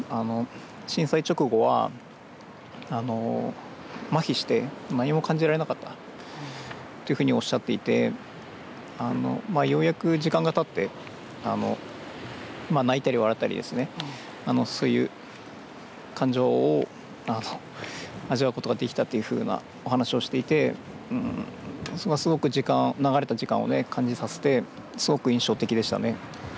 震災直後は、まひして何も感じられなかったというふうにおっしゃっていてようやく時間がたって泣いたり笑ったりですねそういう感情を味わうことができたというふうなお話をしていてすごく時間流れた時間を感じさせてすごく印象的でしたね。